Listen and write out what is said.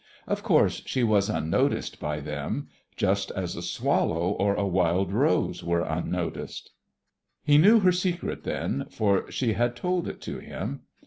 Of course she was unnoticed by them, just as a swallow or a wild rose were unnoticed. He knew her secret then, for she had told it to him.